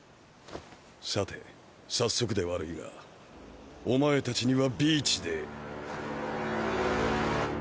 さて早速で悪いがおまえたちにはビーチで。